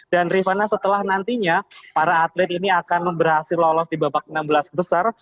dan rifana setelah nantinya para atlet ini akan berhasil lolos di babak enam belas besar